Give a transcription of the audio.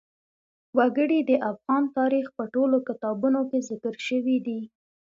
وګړي د افغان تاریخ په ټولو کتابونو کې ذکر شوي دي.